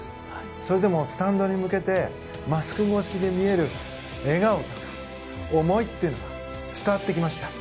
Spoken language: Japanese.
それでもスタンドに向けてマスク越しに見える笑顔と思いっていうのが伝わってきました。